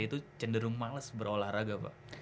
itu cenderung males berolahraga